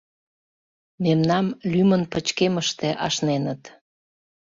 Мемнам лӱмын пычкемыште ашненыт.